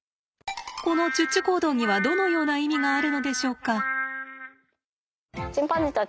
このチュッチュ行動にはどのような意味があるのでしょうか。